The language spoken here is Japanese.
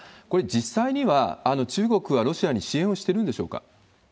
これ、実際には中国はロシアに支援をしてるんでしょうか？